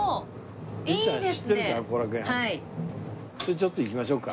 ちょっと行きましょうか。